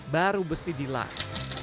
baru besi dilas